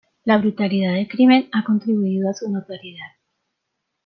La brutalidad del crimen ha contribuido a su notoriedad.